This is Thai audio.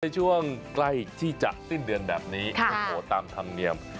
ช่วงใกล้ที่จะสิ้นเดือนแบบนี้โอ้โหตามธรรมเนียม